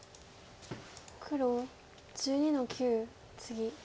黒１２の九ツギ。